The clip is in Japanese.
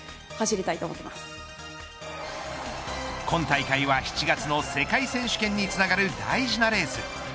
今大会は７月の世界選手権につながる大事なレース。